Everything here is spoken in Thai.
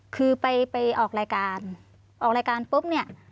คือไปออกรายการปุ๊บเนี่ย